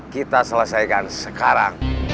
kita selesaikan sekarang